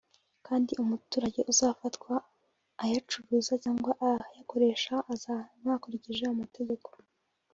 kandi umuturage uzafatwa ayacuruza cg ayakoresha azahanwa hakurikije amategeko